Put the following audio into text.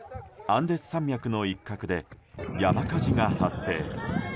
アンデス山脈の一角で山火事が発生。